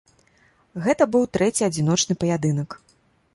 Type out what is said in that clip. Гэта быў трэці адзіночны паядынак.